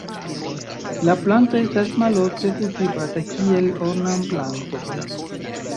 La planto estas malofte kultivata kiel ornamplanto.